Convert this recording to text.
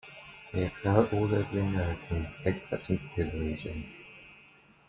They occur all over the Americas except in polar regions.